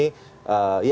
ilki melihatnya seperti apa